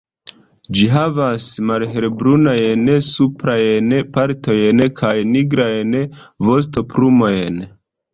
Ĝi havas malhelbrunajn suprajn partojn kaj nigrajn vostoplumojn.